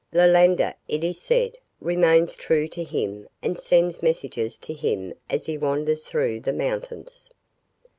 Iolanda, it is said, remains true to him and sends messages to him as he wanders through the mountains."